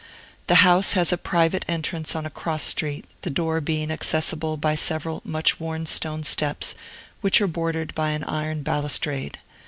The house has a private entrance on a cross street, the door being accessible by several much worn stone steps, which are bordered by an iron balustrade.